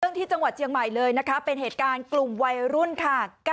ที่จังหวัดเชียงใหม่เลยนะคะเป็นเหตุการณ์กลุ่มวัยรุ่นค่ะ